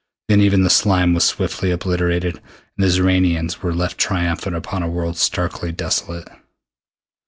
Then even the slime was swiftly obliterated, and the Xoranians were left triumphant upon a world starkly desolate.